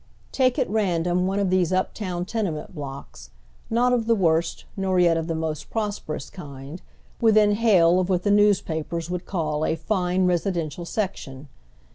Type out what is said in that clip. Take at random one of these uptown tenement blocks, not of the woi st nor yet of the most prosperous kind, within hail of what the newspapers would call a "fine residential section."